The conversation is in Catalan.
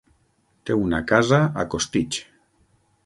Té una casa a Costitx.